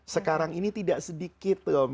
sekarang ini tidak sedikit